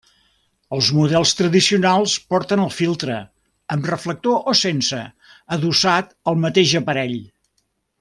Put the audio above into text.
Els models tradicionals porten el filtre, amb reflector o sense, adossat al mateix aparell.